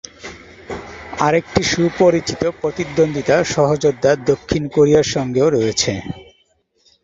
আরেকটি সুপরিচিত প্রতিদ্বন্দ্বিতা সহযোদ্ধা দক্ষিণ কোরিয়ার সঙ্গেও রয়েছে।